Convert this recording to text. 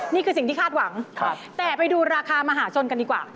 นี่คือสิ่งที่คาดหวังแต่ไปดูราคามหาชนกันดีกว่า